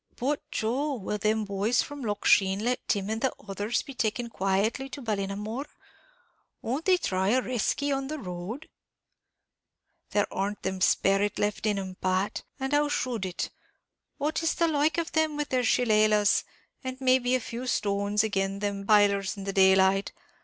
"But, Joe, will them boys from Loch Sheen let Tim and the others be taken quietly to Ballinamore? Won't they try a reskey on the road?" "There arn't that sperrit left in 'em, Pat; and how should it? what is the like of them with their shilelahs, and may be a few stones, agin them b pailers in the daylight?